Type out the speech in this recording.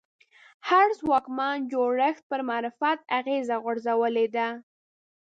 هر ځواکمن جوړښت پر معرفت اغېزه غورځولې ده